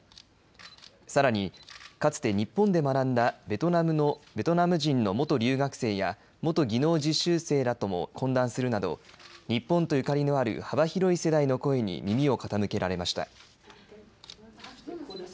さらに、かつて日本で学んだベトナム人の元留学生や元技能実習生らとも懇談するなど日本とゆかりのある幅広い世代の声に耳を傾けられました。